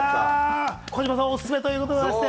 児嶋さん、おすすめということでございまして。